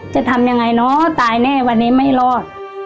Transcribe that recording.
จะทำยังไงเนอะตายแน่วันนี้ไม่รอด